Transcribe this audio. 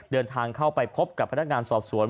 เดินทางเข้าไปพบกับพนักงานสอบสวน